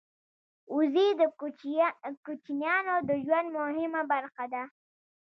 وزې د کوچیانو د ژوند مهمه برخه ده